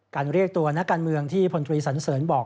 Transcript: เรียกตัวนักการเมืองที่พลตรีสันเสริญบอก